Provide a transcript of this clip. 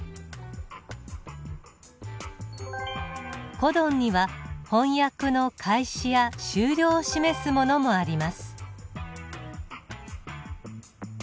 コドンには翻訳の開始や終了を示すものもあります。